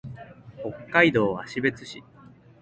北海道芦別市